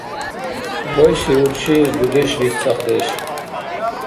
Вайси урши - дудешлис цӀахдеш.